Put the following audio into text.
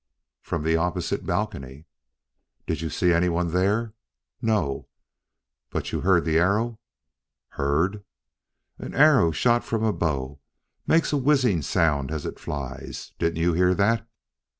"From the opposite balcony." "Did you see anyone there?" "No." "But you heard the arrow?" "Heard?" "An arrow shot from a bow makes a whizzing sound as it flies. Didn't you hear that?"